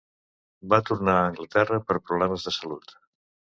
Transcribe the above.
Va tornar a Anglaterra per problemes de salut.